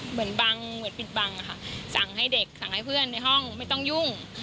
เหมือนบังเหมือนปิดบังอะค่ะสั่งให้เด็กสั่งให้เพื่อนในห้องไม่ต้องยุ่ง